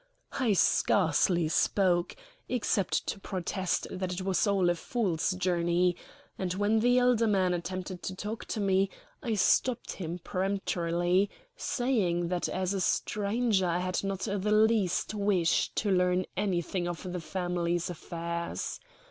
I scarcely spoke, except to protest that it was all a fool's journey; and when the elder man attempted to talk to me, I stopped him peremptorily, saying that as a stranger I had not the least wish to learn anything of the family's affairs.